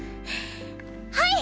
はい！！